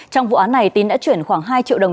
trong vụ án này tín đã chuyển khoảng hai triệu đồng